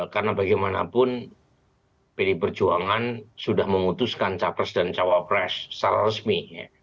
karena bagaimanapun pdi perjuangan sudah memutuskan capres dan cawapres secara resmi